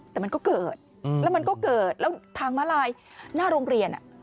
แต่มันก็เกิดแล้วมันก็เกิดแล้วทางมาลายหน้าโรงเรียน